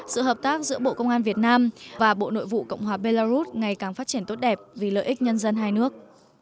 sự hợp tác giữa bộ công an việt nam và bộ nội vụ cộng hòa belarus ngày càng phát triển tốt đẹp vì lợi ích nhân dân hai nước